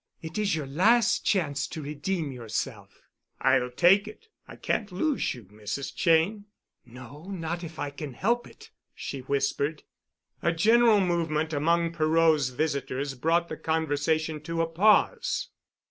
It is your last chance to redeem yourself." "I'll take it. I can't lose you, Mrs. Cheyne." "No—not if I can help it," she whispered. A general movement among Perot's visitors brought the conversation to a pause.